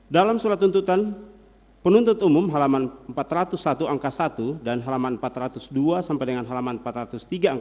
dalam surat tuntutan penuntut umum halaman empat ratus satu angka satu dan halaman empat ratus dua sampai dengan halaman empat ratus tiga angka